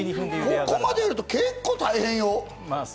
ここまでやると結構大変よ。